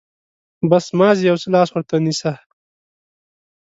بس، مازې يو څه لاس ورته نيسه.